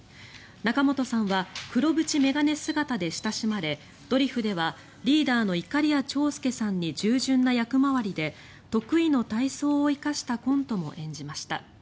仲本さんは黒縁眼鏡姿で親しまれドリフではリーダーのいかりや長介さんに従順な役回りで得意の体操を生かしたコントも演じました。